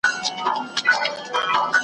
تازه سبزي خوندوره وي.